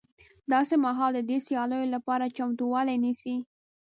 داسې مهال د دې سیالیو لپاره چمتوالی نیسي